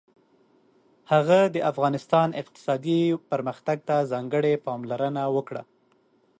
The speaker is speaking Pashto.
هغه د افغانستان اقتصادي پرمختګ ته ځانګړې پاملرنه وکړه.